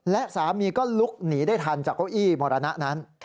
และสามีก็ลุกหนีได้ทันจากเก้าอี้มรณะนั้น